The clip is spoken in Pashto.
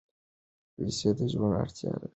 خو پیسې د ژوند اړتیا ده.